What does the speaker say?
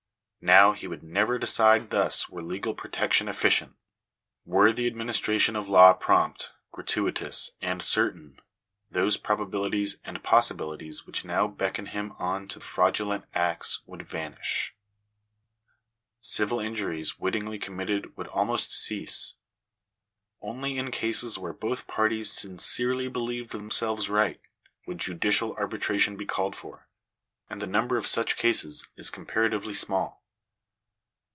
Now, he would never decide thus were legal protection efficient. Were the administration of law prompt, gratuitous, and certain, those probabilities and possi bilities which now beckon him on to fraudulent acts would vanish. Civil injuries wittingly committed would almost cease. Only in cases where both parties sincerely believed themselves right, would judicial arbitration be called for ; and the number of such cases is comparatively small.